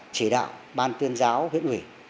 chỉ đạo ban tuyên giáo huyện ủy